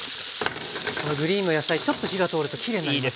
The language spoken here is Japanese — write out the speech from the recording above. このグリーンの野菜ちょっと火が通るときれいになりますよね。